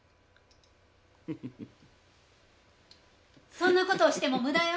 そんなことをしても無駄よ！